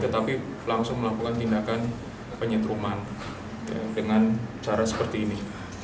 tetapi langsung melakukan tindakan penyetruman dengan cara seperti ini